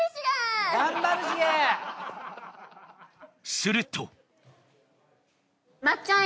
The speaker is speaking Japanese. すると。